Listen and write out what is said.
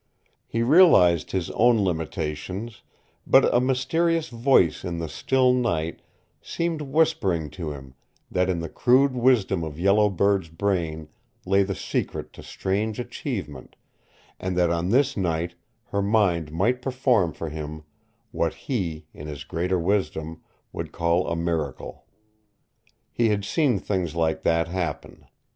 He realized his own limitations, but a mysterious voice in the still night seemed whispering to him that in the crude wisdom of Yellow Bird's brain lay the secret to strange achievement, and that on this night her mind might perform for him what he, in his greater wisdom, would call a miracle. He had seen things like that happen.